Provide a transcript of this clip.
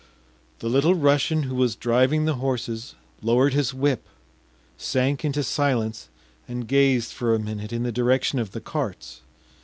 The Little Russian who was driving the horses lowered his whip, sank into silence, and gazed for a minute in the direction of the carts.